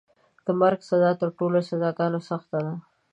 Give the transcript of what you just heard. د مرګ سزا تر ټولو سزاګانو سخته ده.